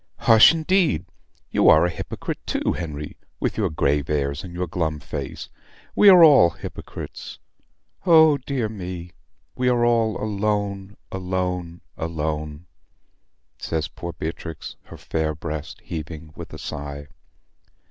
"Hush, indeed. You are a hypocrite, too, Henry, with your grave airs and your glum face. We are all hypocrites. O dear me! We are all alone, alone, alone," says poor Beatrix, her fair breast heaving with a sigh.